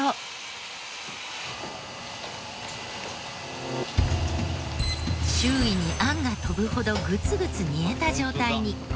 そして周囲にあんが飛ぶほどグツグツ煮えた状態に。